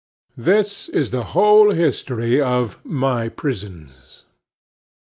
This is the whole history of "My Prisons."